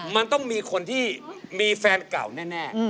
มันต้องมีคนที่มีแฟนเก่าแน่